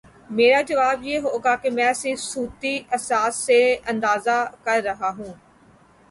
میرا جواب یہ ہو گا کہ میں صرف صوتی اثرات سے اندازہ کر رہا ہوں۔